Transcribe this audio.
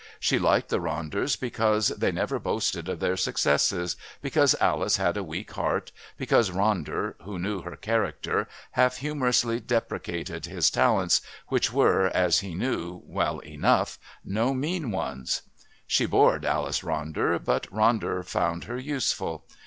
She liked the Ronders because they never boasted of their successes, because Alice had a weak heart, because Ronder, who knew her character, half humorously deprecated his talents, which were, as he knew well enough, no mean ones. She bored Alice Ronder, but Ronder found her useful.